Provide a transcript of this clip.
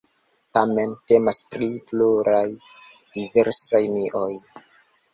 Tamen temas pri pluraj diversaj mioj.